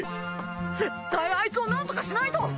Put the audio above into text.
絶対アイツをなんとかしないと！